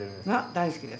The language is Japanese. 大好きです。